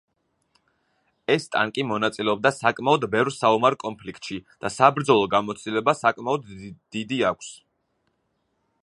ეს ტანკი მონაწილეობდა საკმაოდ ბევრ საომარ კონფლიქტში და საბრძოლო გამოცდილება საკმაოდ დიდი აქვს.